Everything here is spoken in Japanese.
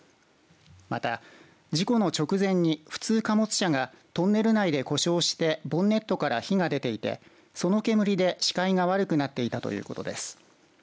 また、事故の直前に普通貨物車がトンネル内で故障してボンネットから火が出ていてその煙で視界が悪くなっていたということです。